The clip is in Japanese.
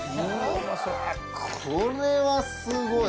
これはすごい。